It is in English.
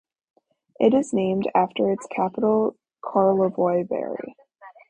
It is named after its capital Karlovy Vary.